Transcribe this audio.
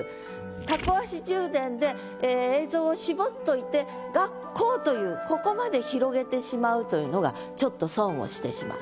「タコ足充電」で映像を絞っといて「学校」というここまで広げてしまうというのがちょっと損をしてしまう。